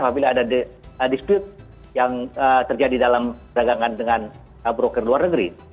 apabila ada dispute yang terjadi dalam dagangan dengan broker luar negeri